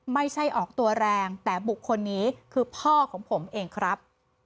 ไม่ใช่ออกตัวแรงแต่บุคคลนี้คือพ่อของผมเองครับ